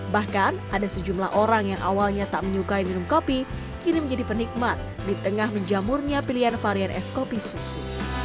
bahkan ada sejumlah orang yang awalnya tak menyukai minum kopi kini menjadi penikmat di tengah menjamurnya pilihan varian es kopi susu